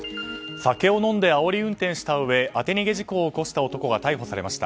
酒を飲んであおり運転をしたうえ当て逃げ事故を起こした男が逮捕されました。